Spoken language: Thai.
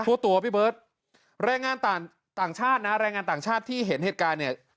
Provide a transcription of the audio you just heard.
ทั่วตัวพี่เบิร์ตแรงงานต่างชาตินะแรงงานต่างชาติที่เห็นเหตุการณ์เนี่ย